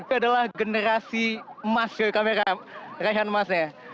ini adalah generasi emas raihan emasnya